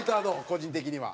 個人的には。